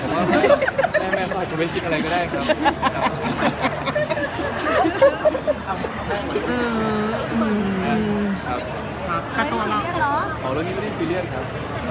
ก็บอกว่ามันเป็นปกติน่ะมันจะหลบคนเดียวแยะเราอาจจะลืมบังกลุ่มตกตรงลุงคนนี้ก็ได้ครับ